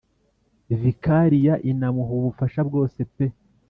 Vikariya inamuha ubufasha bwose pe